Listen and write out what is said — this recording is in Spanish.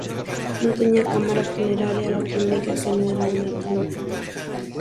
No tiene cámara funeraria, lo que indica que no era una tumba.